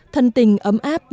thân tình ấm áp như thế này